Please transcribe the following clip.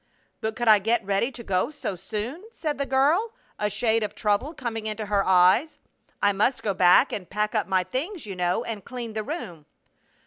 "But could I get ready to go so soon?" said the girl, a shade of trouble coming into her eyes. "I must go back and pack up my things, you know, and clean the room."